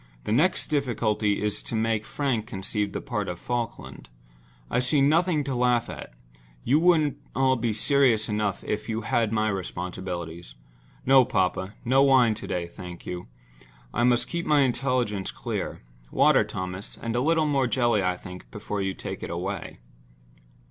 "The next difficulty is to make Frank conceive the part of Falkland. I see nothing to laugh at—you would all be serious enough if you had my responsibilities. No, papa—no wine to day, thank you. I must keep my intelligence clear. Water, Thomas—and a little more jelly, I think, before you take it away."